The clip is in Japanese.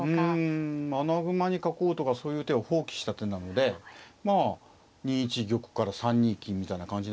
うん穴熊に囲おうとかそういう手を放棄した手なのでまあ２一玉から３二金みたいな感じなんでしょうかね。